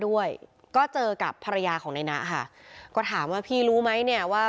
ด้วยก็เจอกับภรรยาของนายนะค่ะก็ถามว่าพี่รู้ไหมเนี่ยว่า